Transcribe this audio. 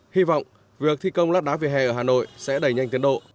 hy vọng việc thi công lát đá vỉa hè ở hà nội sẽ đầy nhanh tiến độ